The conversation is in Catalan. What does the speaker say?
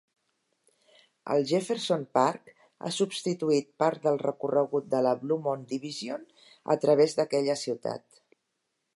El Jefferson Park ha substituït part del recorregut de la Bluemont Division a través d'aquella ciutat.